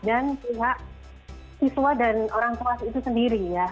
dan pihak siswa dan orang tua itu sendiri ya